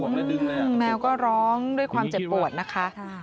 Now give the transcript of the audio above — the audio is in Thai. แล้วตั้งแมวก็ร้องด้วยความเจ็บปวดนะคะ